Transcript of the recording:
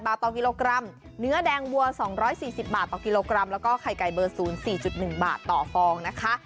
บาทต่อกิโลกรัมเนื้อแดงวัว๒๔๐บาทต่อกิโลกรัมแล้วก็ไข่ไก่เบอร์๐๔๑บาทต่อฟองนะคะ